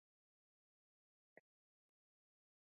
که هرڅه سم وو نو د اپراتو وخت پوره ديه.